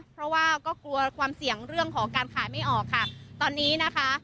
เพราะว่าก็กลัวความเสี่ยงเรื่องของการขายไม่ออกค่ะตอนนี้นะคะ